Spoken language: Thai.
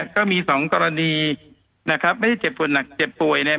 ก็มี๒กรณีนะครับไม่ได้เจ็บปวดหนักเจ็บป่วยเนี่ย